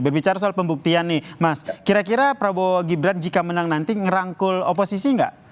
berbicara soal pembuktian nih mas kira kira prabowo gibran jika menang nanti ngerangkul oposisi nggak